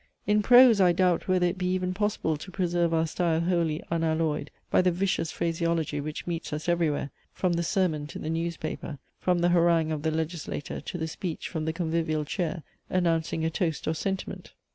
In prose I doubt whether it be even possible to preserve our style wholly unalloyed by the vicious phraseology which meets us everywhere, from the sermon to the newspaper, from the harangue of the legislator to the speech from the convivial chair, announcing a toast or sentiment.